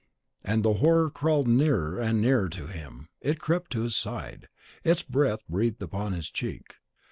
And the Horror crawled near and nearer to him; it crept to his side, its breath breathed upon his cheek!